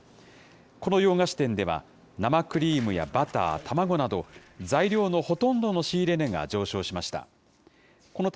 この洋菓子店では、生クリームやバター、卵など、材料のほとんどの仕入れ値が上昇しました。